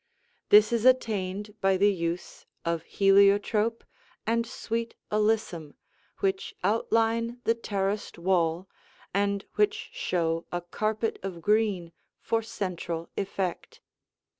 This is attained by the use of heliotrope and sweet alyssum which outline the terraced wall and which show a carpet of green for central effect.